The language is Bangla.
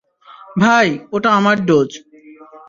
ভাই, ওটা আমার ডোজ।